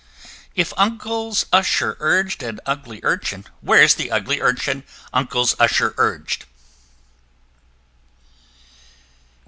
If Uncle's Usher urg'd an ugly Urchin, Where's the ugly Urchin Uncle's Usher urg'd?